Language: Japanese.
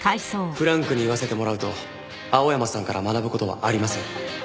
フランクに言わせてもらうと青山さんから学ぶ事はありません。